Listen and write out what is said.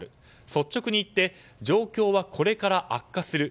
率直に言って状況はこれから悪化する。